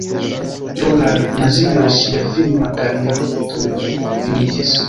Pro la nazioj ŝia filma kariero tuj finiĝis.